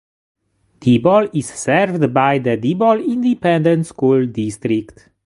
Diboll is served by the Diboll Independent School District.